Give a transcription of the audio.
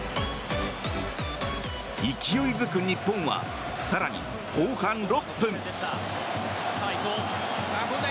勢いづく日本は更に後半６分。